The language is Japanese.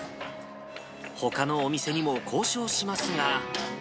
ほかのお店にも交渉しますが。